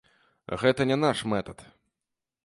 Гэта не наш метад.